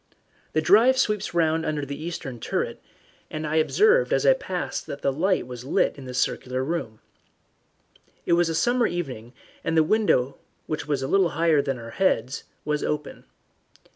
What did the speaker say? The drive sweeps round under the eastern turret, and I observed as I passed that the light was lit in the circular room. It was a summer evening, and the window, which was a little higher than our heads, was open.